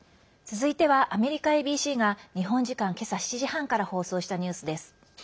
続いては、アメリカＡＢＣが日本時間今朝７時半から放送したニュースです。